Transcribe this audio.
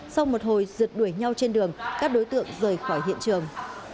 sau một hồi rượt đuổi nhau trên đường các đối tượng rời khỏi hiện trường